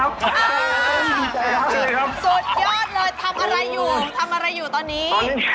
ทำอะไรอยู่ตอนนี้